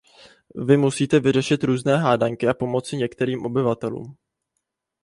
Vy musíte vyřešit různé hádanky a pomoci některým obyvatelům.